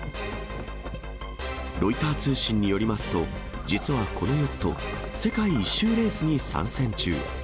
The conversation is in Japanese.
ロイター通信によりますと、実はこのヨット、世界一周レースに参戦中。